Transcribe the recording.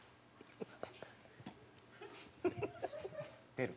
出る。